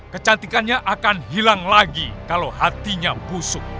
kecantikannya akan hilang lagi kalau hatinya busuk